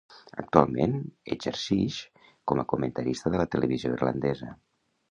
Actualment exercix com a comentarista de la televisió irlandesa.